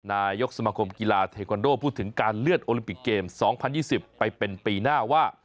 นายกสมคมกีฬาเทควันโดพูดถึงการเลื่อนโอลิมปิกเกม๒๐๒๐ไปเป็นปีหน้าว่า